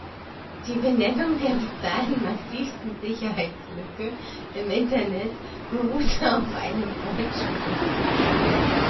Die Benennung der bis dahin massivsten Sicherheitslücke im Internet beruhte auf einem Wortspiel.